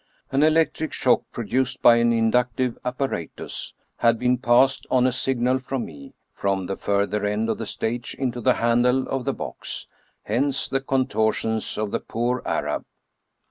An electric shock, produced by an inductive apparatus, had been passed, on a signal from me, from the further end of the stage into the handle of the box. Hence the contortions of the poor Arab!